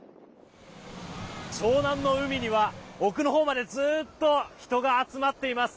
湘南の海には奥のほうまでずっと人が集まっています。